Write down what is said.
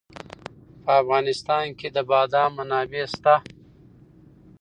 په افغانستان کې د بادام منابع شته.